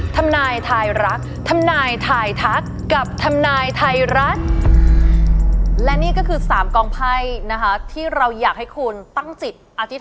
ธรรมนายทายรักธรรมนายทายทักกับธรรมนายทายรัฐ